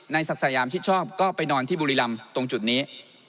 ศักดิ์สยามชิดชอบก็ไปนอนที่บุรีรำตรงจุดนี้